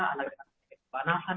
anak dengan penyakit kebanasan